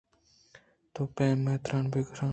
تو پمن تِیر بِہ شان